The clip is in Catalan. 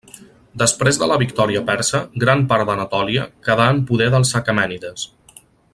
Després de la victòria persa, gran part d'Anatòlia quedà en poder dels aquemènides.